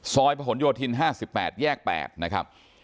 ประหลโยธิน๕๘แยก๘นะครับ